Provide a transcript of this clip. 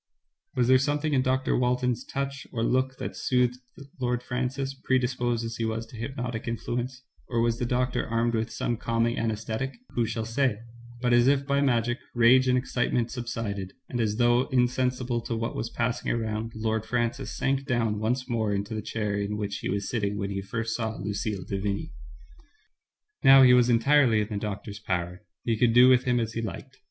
Was there something in Dr. Walton's touch or look that soothed Lord Francis, predisposed as he was to hypnotic influence, or was the doctor armed with some calming anaesthetic — who shall say? But, as if by magic, rage and excitement subsided, and as though insensible to what was passing around, Lord Francis sank down once more into the chair in which he was sitting when he first saw Lucille de Vigny. Now he was entirely in the doctor's power, he Digitized by Google JEAN MIDDLEMASS, 217 could do with him as he liked.